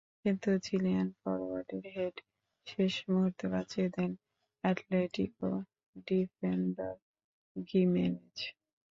কিন্তু Chilean ফরোয়ার্ডের head শেষ মুহূর্তে বাঁচিয়ে দেন অ্যাটলেটিকো ডিফেন্ডার গিমেনেজ।